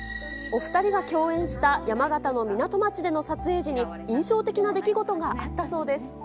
お２人が共演した山形の港町での撮影時に、印象的な出来事があったそうです。